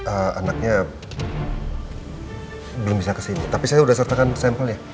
anaknya belum bisa kesini tapi saya sudah sertakan sampelnya